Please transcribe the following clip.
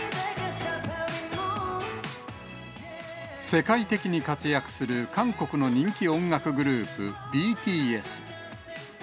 世界的に活躍する韓国の人気音楽グループ、ＢＴＳ。